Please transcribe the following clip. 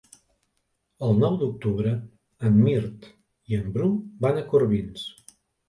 El nou d'octubre en Mirt i en Bru van a Corbins.